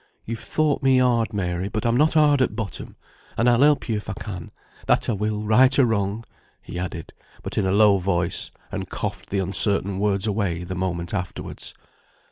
You've thought me hard, Mary, but I'm not hard at bottom, and I'll help you if I can; that I will, right or wrong," he added; but in a low voice, and coughed the uncertain words away the moment afterwards.